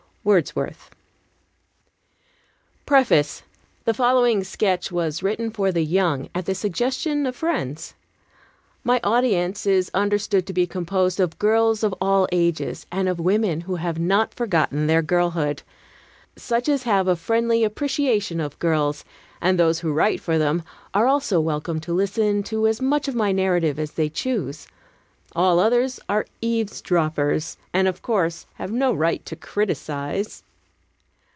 WORDSWORTH PREFACE THE following sketch was written for the young, at the suggestion of friends. My audience is understood to be composed of girls of all ages, and of women who have not forgotten their girlhood. Such as have a friendly appreciation of girls and of those who write for them are also welcome to listen to as much of my narrative as they choose. All others are eavesdroppers, and, of course, have no right to criticise.